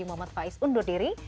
saya jemohmat faiz undur diri